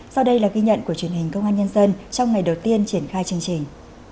sau đây là ghi nhận của truyền hình công an nhân dân trong ngày đầu tiên triển khai chương trình